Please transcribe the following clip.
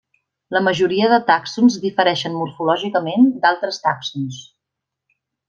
La majoria de tàxons difereixen morfològicament d'altres tàxons.